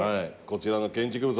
こちらの建築物